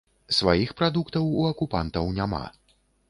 Сваіх прадуктаў у акупантаў няма.